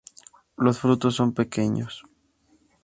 Los frutos son pequeños.